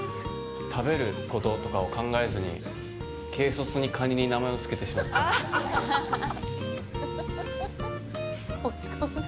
食べることとかを考えずに軽率にカニに名前をつけてしまったな。